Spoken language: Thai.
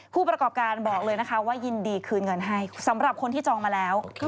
ผู้ประกอบการบอกเลยนะคะว่ายินดีคืนเงินให้สำหรับคนที่จองมาแล้ว